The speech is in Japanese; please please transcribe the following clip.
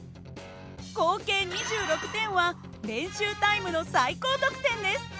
合計２６点は練習タイムの最高得点です。